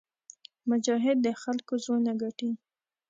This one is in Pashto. مجاهد د خلکو زړونه ګټي.